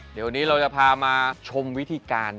เดี๋ยววันนี้เราจะพามาชมวิธีการ